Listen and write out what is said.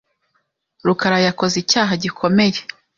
rukarayakoze icyaha gikomeye.